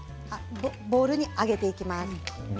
ボウルに上げていきます。